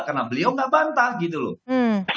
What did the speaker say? karena beliau gak bantah gitu loh